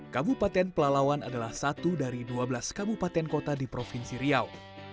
kabupaten pelalawan adalah satu dari dua belas kabupaten kota di provinsi riau